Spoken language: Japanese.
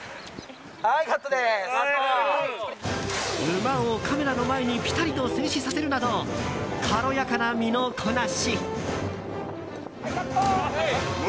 馬をカメラの前にぴたりと制止させるなど軽やかな身のこなし。